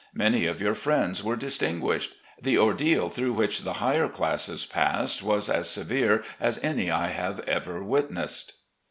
Many of your friends were distinguished. The ordeal through which the higher classes passed was as severe as any I ever witnessed.